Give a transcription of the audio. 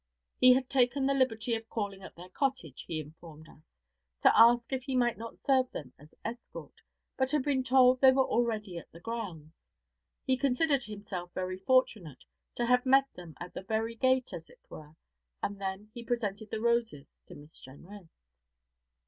He had taken the liberty of calling at their cottage, he informed us, to ask if he might not serve them as escort, but had been told that they were already at the grounds. He considered himself very fortunate to have met them at the very gate, as it were; and then he presented the roses to Miss Jenrys.